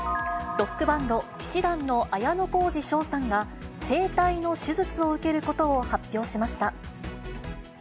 ロックバンド、氣志團の綾小路翔さんが、声帯の手術を受けることを発表しました。